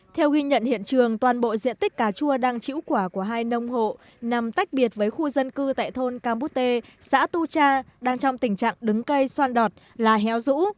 theo ghi nhận hiện trường toàn bộ diện tích cà chua đang chĩu quả của hai nông hộ nằm tách biệt với khu dân cư tại thôn campute xã tu cha đang trong tình trạng đứng cây xoan đọt là héo rũ